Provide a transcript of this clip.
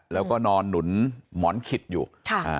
แล้วก็นอนหนุนหมอนขิดอยู่ค่ะอ่า